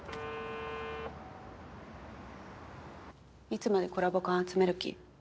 いつまでコラボ缶集める気？